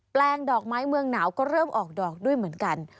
ลงดอกไม้เมืองหนาวก็เริ่มออกดอกด้วยเหมือนกัน